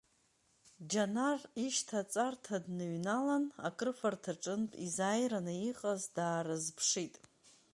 Џьанар ишьҭаҵарҭа дныҩналан, акрыфарҭаҿынтә изааираны иҟаз даарызԥшит.